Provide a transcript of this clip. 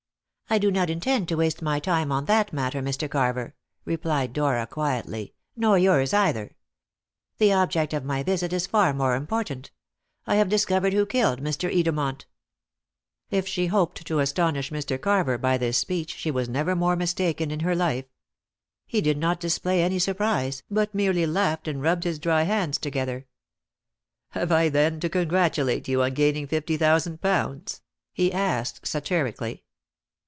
"I do not intend to waste my time on that matter, Mr. Carver," replied Dora quietly, "nor yours either. The object of my visit is far more important. I have discovered who killed Mr. Edermont." If she hoped to astonish Mr. Carver by this speech, she was never more mistaken in her life. He did not display any surprise, but merely laughed and rubbed his dry hands together. "Have I, then, to congratulate you on gaining fifty thousand pounds?" he asked satirically.